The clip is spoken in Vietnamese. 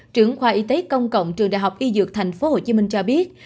trưởng khoa y tế công cộng trường đại học y dược tp hcm cho biết